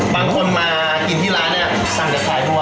บางคนมากินที่ร้านเนี่ยสั่งแต่ขายบัว